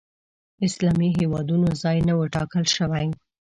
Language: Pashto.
اسلامي هېوادونو ځای نه و ټاکل شوی